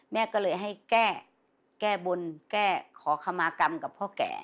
แม่ก็เลยให้แก้แก้บนแก้ขอคำมากรรมกับพ่อแก่